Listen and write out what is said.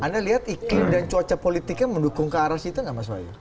anda lihat iklim dan cuaca politiknya mendukung kearah situ nggak mas wai